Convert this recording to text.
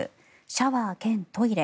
シャワー兼トイレ